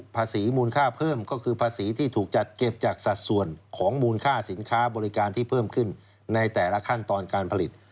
มูลค่าเพิ่มก็คือภาษีที่ถูกจัดเก็บจากสัดส่วนของมูลค่าสินค้าบริการที่เพิ่มขึ้นในแต่ละขั้นตอนการผลิต